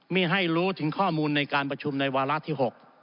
มีให้รู้ถึงข้อมูลในการประชุมในวาระที่๖